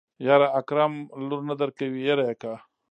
يره اکرم لور نه درکوي هېره يې که.